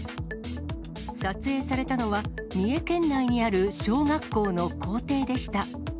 撮影されたのは、三重県内にある小学校の校庭でした。